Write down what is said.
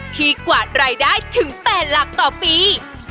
กวาดรายได้ถึง๘หลักต่อปี